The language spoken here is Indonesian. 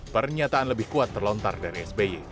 pernyataan lebih kuat terlontar dari sby